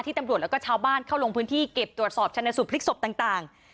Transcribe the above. ตำรวจแล้วก็ชาวบ้านเข้าลงพื้นที่เก็บตรวจสอบชนสูตรพลิกศพต่าง